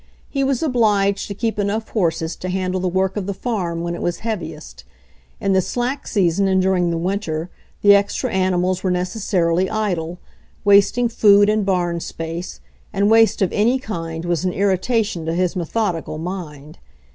He was obliged to keep enough horses to LURE OF THE MACHINE SHOPS 55 handle the work of the farm when it wfcs heavi est ; in the slack season and during the Winter the extra animals were necessarily idle, wasting food and barn space, and waste of any kind was an irritation to his methodical mind.